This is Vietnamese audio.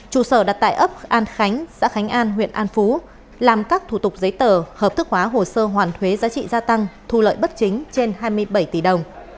trụ sở đặt tại ấp an khánh xã khánh an huyện an phú làm các thủ tục giấy tờ hợp thức hóa hồ sơ hoàn thuế giá trị gia tăng thu lợi bất chính trên hai mươi bảy tỷ đồng